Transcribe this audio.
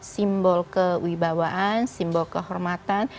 simbol kewibawaan simbol kehormatan